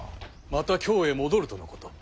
また京へ戻るとのこと。